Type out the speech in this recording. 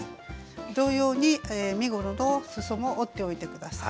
同様に身ごろのすそも折っておいて下さい。